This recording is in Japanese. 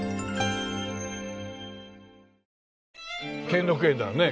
兼六園だよね。